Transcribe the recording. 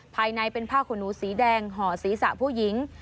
ภายในเป็นผ้าขนหนูสีแดงห่อศีรษะผู้หญิง